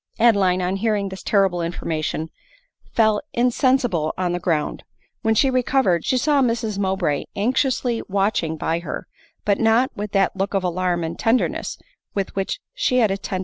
Adeline, on hearing this terrible information, fell in sensible on the ground. When she recovered, she saw Mrs Mowbray anxiously watching by her, but not with that look of alarm and tenderness with which she had attend W «|TiM^ r ii#Mr LJ Hsr.